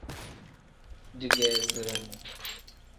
Digeezire.